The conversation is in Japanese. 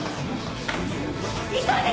急いで！